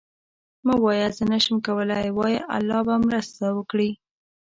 مه وایه زه نشم کولی، وایه الله به مرسته وکړي.